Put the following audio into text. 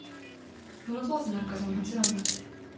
プロポーズなんかじゃもちろんなくて。